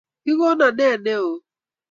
Kikonon ne noe?